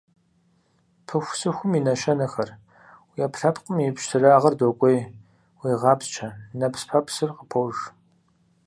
Пыхусыхум и нэщэнэхэр: уи Ӏэпкълъэпкъым и пщтырагъыр докӀуей, уегъапсчэ, нэпс-пэпсыр къыпож.